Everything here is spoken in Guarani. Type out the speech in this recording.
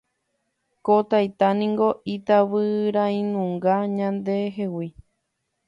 Ko taita niko itavyrainunga ñandehegui